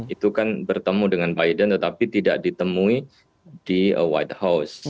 itu kan bertemu dengan biden tetapi tidak ditemui di white house